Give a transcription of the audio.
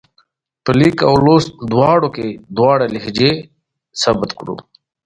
خوب د ذهن نوي ځواک برابروي